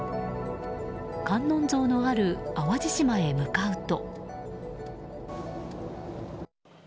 観音像のある淡路島へ向かうと。